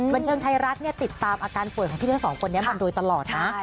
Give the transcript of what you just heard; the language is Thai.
บันเทิงไทยรัฐเนี่ยติดตามอาการป่วยของพี่ทั้งสองคนนี้มาโดยตลอดนะ